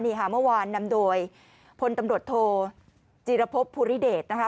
นี่ค่ะเมื่อวานนำโดยพลตำรวจโทจีรพบภูริเดชนะคะ